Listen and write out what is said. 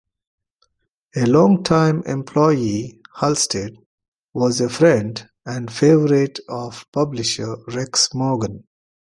A long-time employee, Halstead was a friend and favorite of publisher Rex Morgan.